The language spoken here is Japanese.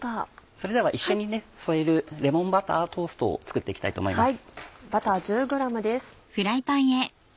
それでは一緒に添えるレモンバタートーストを作って行きたいと思います。